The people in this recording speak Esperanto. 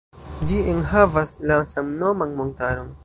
Ĝi enhavas la samnoman montaron.